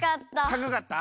たかかった？